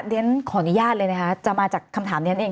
ฉันขออนุญาตเลยจะมาจากคำถามนี้นั่นเอง